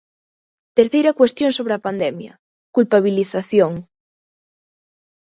Terceira cuestión sobre a pandemia: culpabilización.